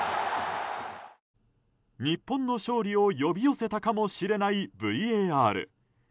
日本の勝利を呼び寄せたかもしれないＶＡＲ。